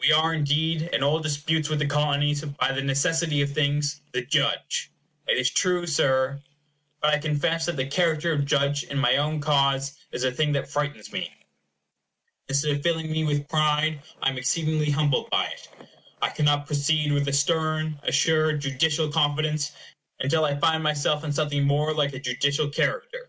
We are, indeed, in all disputes with the Colonies, by the necessity of things, the judge. It is true, Sir. But I confess that the character of judge in my own cause is a thing that frightens me. Instead of filling me with pride, I am exceedingly humbled by it. I cannot proceed with a stern, assured, judicial confidence, until I find myself in something more like a judicial character.